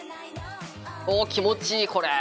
お気持ちいいこれ。